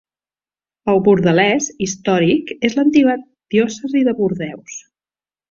El Bordelès històric és l'antiga diòcesi de Bordeus.